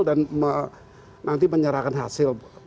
dan nanti menyerahkan hasil